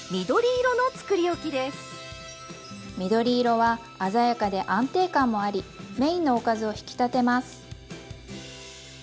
緑色は鮮やかで安定感もありメインのおかずを引き立てます。